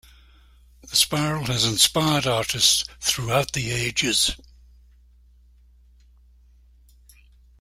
The spiral has inspired artists throughout the ages.